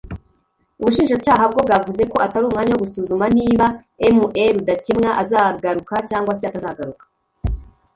ubushinjacyaha bwo bwavuze ko atari umwanya wo gusuzuma niba Me Rudakemwa azagaruka cyangwa se atazagaruka